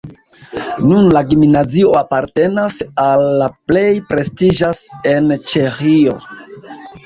Nun la gimnazio apartenas al la plej prestiĝaj en Ĉeĥio.